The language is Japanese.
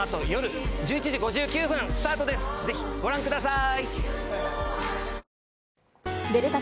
ぜひご覧ください！